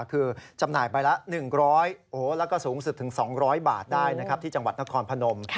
คือจำหน่ายใบละ๑๐๐แล้วก็สูงสุดถึง๒๐๐บาทได้นะครับที่จังหวัดนครพนม